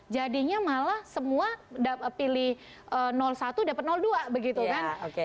jadinya malah semua pilih satu dapat dua begitu kan